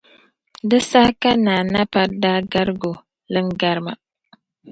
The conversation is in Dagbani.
Di saha ka Naa Napari daa garigi o, Iin garima